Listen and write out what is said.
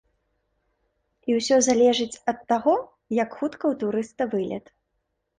І ўсё залежыць ад таго, як хутка ў турыста вылет.